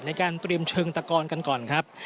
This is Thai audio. ในการเตรียมเชิงตะกอนกันก่อนครับ